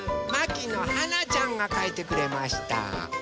まきのはなちゃんがかいてくれました。